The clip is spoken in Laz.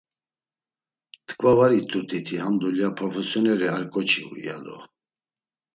T̆ǩva var it̆urt̆iti ham dulya porofosyoneli ar ǩoçi u, ya do!